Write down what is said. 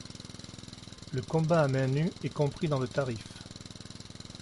Le combats à main nu est compris dans le tarif